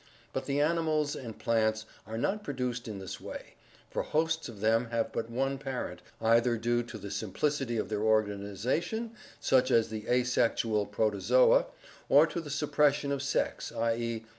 But all animals and plants are not produced in this way, for hosts of them have but one parent, either due to the simplicity of their organization, such as the asexual Protozoa, or to the suppression of sex, i. e.